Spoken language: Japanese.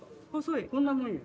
こんなもんよ。